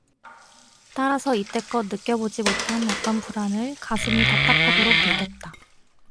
따라서 이때껏 느껴 보지 못한 어떤 불안을 가슴이 답답하도록 느꼈다.